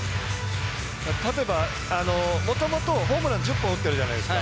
例えば、もともとホームラン１０本打ってるじゃないですか。